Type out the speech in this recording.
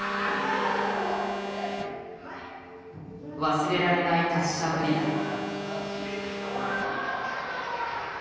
忘れられない達者ぶりだった。